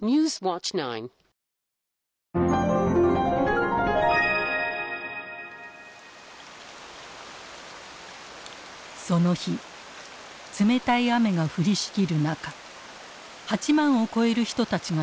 その日冷たい雨が降りしきる中８万を超える人たちが集いました。